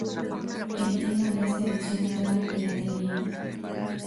El tema de esta edición fue la Piratería.